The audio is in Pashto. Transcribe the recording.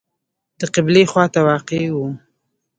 د قبلې خواته واقع و.